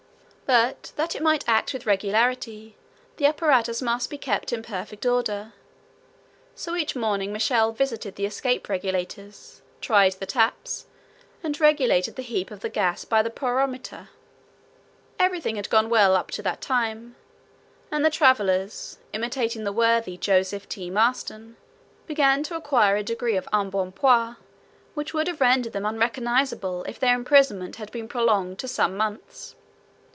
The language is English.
But that it might act with regularity, the apparatus must be kept in perfect order; so each morning Michel visited the escape regulators, tried the taps, and regulated the heat of the gas by the pyrometer. Everything had gone well up to that time, and the travelers, imitating the worthy Joseph T. Maston, began to acquire a degree of embonpoint which would have rendered them unrecognizable if their imprisonment had been prolonged to some months.